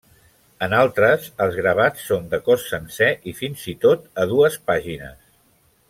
En altres, els gravats són de cos sencer i fins i tot a dues pàgines.